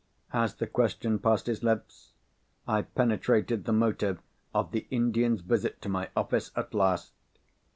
As the question passed his lips, I penetrated the motive of the Indian's visit to my office at last!